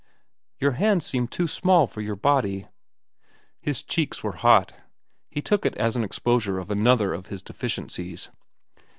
"Your hands seemed too small for your body." His cheeks were hot. He took it as an exposure of another of his deficiencies.